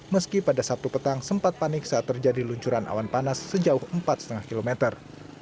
meski pada sabtu petang sempat panik saat terjadi luncuran awan panas sejauh empat lima kilometer